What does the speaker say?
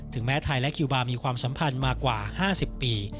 แม้ไทยและคิวบาร์มีความสัมพันธ์มากว่า๕๐ปี